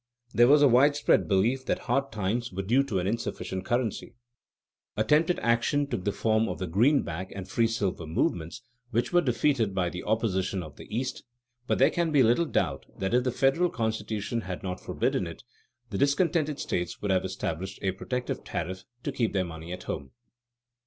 There was a widespread belief that hard times were due to an insufficient currency. Attempted action took the form of the greenback and free silver movements, which were defeated by the opposition of the East, but there can be little doubt that if the Federal Constitution had not forbidden it, the discontented states would have established a protective tariff "to keep their money at home."